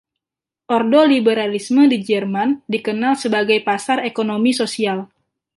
Ordo liberalisme di Jerman dikenal sebagai Pasar Ekonomi Sosial.